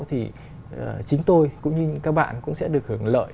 thì chính tôi cũng như các bạn cũng sẽ được hưởng lợi